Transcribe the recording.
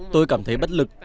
tôi cảm thấy bất lực